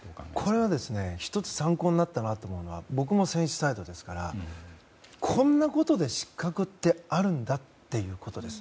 これは１つ参考になったなと思うのは僕も選手サイドですからこんなことで失格ってあるんだということです。